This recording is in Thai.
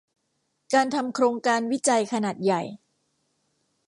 การทำโครงการวิจัยขนาดใหญ่